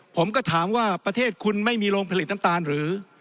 ผมก็ถามว่าประเทศคุณไม่มีโรงผลิตน้ำตาลหรือ